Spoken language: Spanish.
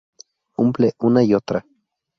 Cumple una y otra.